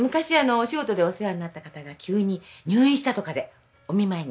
お仕事でお世話になった方が急に入院したとかでお見舞いに。